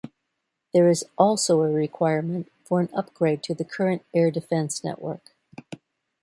There is also a requirement for an upgrade to the current air defence network.